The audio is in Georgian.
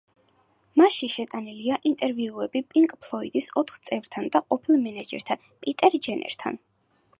მასში შეტანილია ინტერვიუები პინკ ფლოიდის ოთხ წევრთან და ყოფილ მენეჯერთან, პიტერ ჯენერთან.